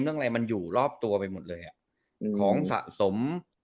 เรื่องอะไรมันอยู่รอบตัวไปหมดเลยของสะสม